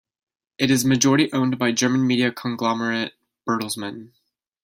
It is majority-owned by German media conglomerate Bertelsmann.